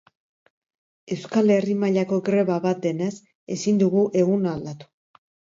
Euskal Herri mailako greba bat denez, ezin dugu eguna aldatu.